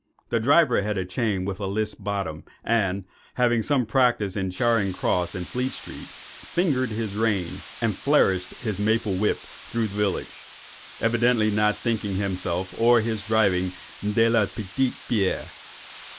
The driver had a chain with a list bottom, and, having had some practice in Charing Cross and Fleet Street, fingered his reins and flourished his maple whip through the village, evidently not thinking himself or his driving de la petite bière.